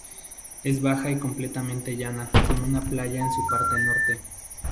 Es baja y completamente llana, con una playa en su parte norte.